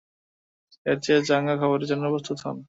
এর চেয়ে চাঙ্গা খবরের জন্য প্রস্তুত হন।